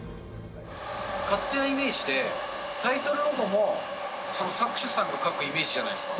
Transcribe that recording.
勝手なイメージで、タイトルロゴも作者さんが描くイメージじゃないですか。